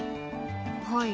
はい。